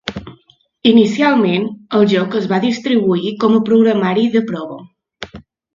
Inicialment, el joc es va distribuir com a programari de prova.